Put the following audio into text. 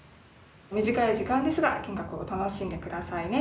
短い時間ですが見学を楽しんでくださいね。